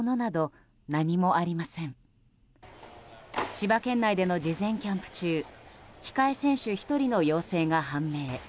千葉県内での事前キャンプ中控え選手１人の陽性が判明。